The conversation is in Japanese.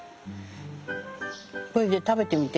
これ食べてみて。